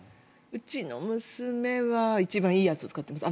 うちの娘は一番いいやつを使ってます。